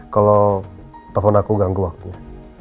kalau tahun aku ganggu waktunya